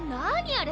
あれ！